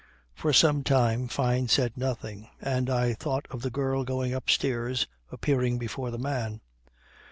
For some time Fyne said nothing; and I thought of the girl going upstairs, appearing before the man.